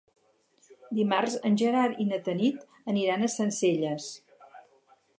Dimarts en Gerard i na Tanit aniran a Sencelles.